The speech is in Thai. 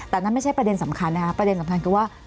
แต่นั่นไม่ใช่ประเด็นสำคัญนะคะประเด็นสำคัญคือว่า